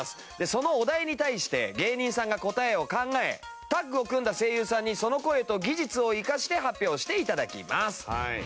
そのお題に対して芸人さんが答えを考えタッグを組んだ声優さんにその声と技術を生かして発表して頂きます。